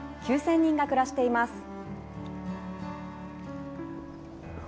９０００人が暮らしています。